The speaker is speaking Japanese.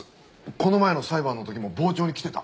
この前の裁判の時も傍聴に来てた。